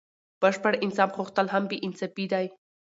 بشپړ انصاف غوښتل هم بې انصافي دئ.